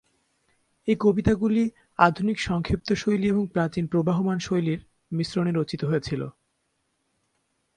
এই কবিতাগুলি আধুনিক সংক্ষিপ্ত শৈলী এবং প্রাচীন প্রবহমান শৈলীর মিশ্রণে রচিত হয়েছিল।